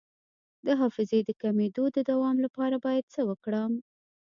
د حافظې د کمیدو د دوام لپاره باید څه وکړم؟